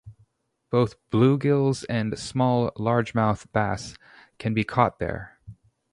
Both bluegills and small Largemouth bass can be caught there.